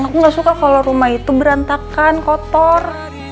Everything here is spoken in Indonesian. aku nggak suka kalau rumah itu berantakan kotor